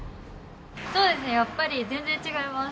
そうですねやっぱり全然違います。